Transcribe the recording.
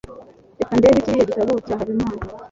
reka ndebe kiriya gitabo cya habimana